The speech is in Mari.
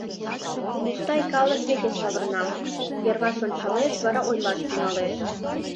Мустай калык веке савырна, йырваш ончалеш, вара ойлаш тӱҥалеш.